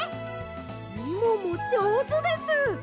みももじょうずです！